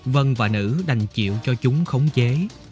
vân và nữ đành chịu cho chúng khống chế